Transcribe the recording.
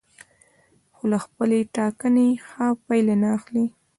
خو له خپلې ټاکنې ښه پایله نه اخلي.